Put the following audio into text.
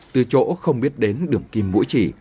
từ chỗ không biết đến đường kim mũi chị